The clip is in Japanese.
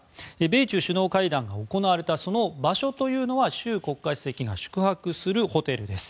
米中首脳会談が行われたその場所というのは習国家主席が宿泊するホテルです。